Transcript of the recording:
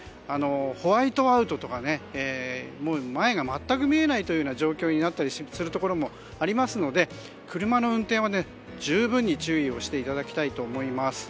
ホワイトアウトとか前が全く見えないという状況になったりするところもありますので車の運転は十分に注意していただきたいと思います。